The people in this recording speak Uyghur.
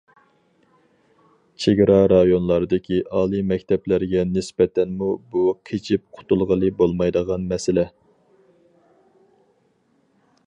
چېگرا رايونلاردىكى ئالىي مەكتەپلەرگە نىسبەتەنمۇ بۇ قېچىپ قۇتۇلغىلى بولمايدىغان مەسىلە.